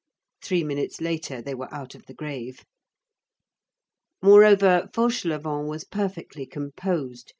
Three minutes later they were out of the grave. Moreover, Fauchelevent was perfectly composed.